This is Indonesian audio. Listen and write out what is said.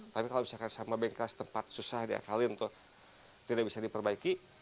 tapi kalau misalkan sama bengkes tempat susah diakalin untuk tidak bisa diperbaiki